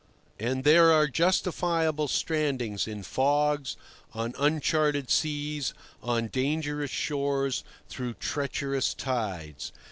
And there are justifiable strandings in fogs, on uncharted seas, on dangerous shores, through treacherous tides.